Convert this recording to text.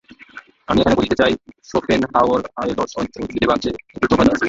আমি এখানে বলিতে চাই, শোপেনহাওয়ারের দর্শন ও বেদান্তে একটি প্রভেদ আছে।